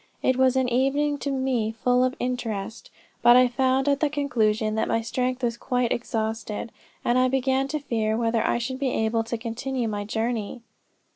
It was an evening to me full of interest; but I found at the conclusion, that my strength was quite exhausted, and I began to fear whether I should be able to continue my journey."